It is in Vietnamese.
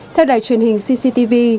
theo đài truyền hình cctv